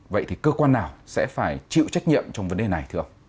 vậy thì cơ quan nào sẽ phải chịu trách nhiệm trong vấn đề này thưa ông